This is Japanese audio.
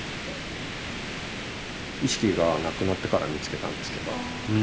意識がなくなってから見つけたんですけど。